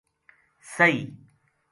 سہی